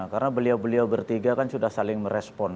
karena beliau beliau bertiga kan sudah saling merespon